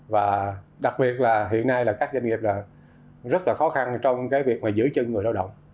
và đặc biệt là hiện nay là các doanh nghiệp là rất là khó khăn trong cái việc mà giữ chân người lao động